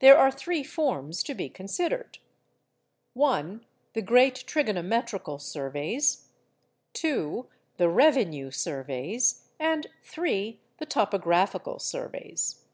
There are three forms to be considered:—(1) The Great Trigonometrical Surveys; (2) The Revenue Surveys; and (3) the Topographical Surveys.